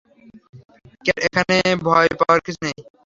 Cat, এখানে ভয় পাওয়ার কিছু নেই!